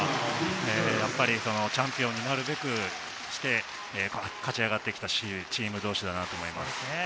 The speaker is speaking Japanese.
やっぱりチャンピオンになるべくして勝ち上がってきたチーム同士だなと思います。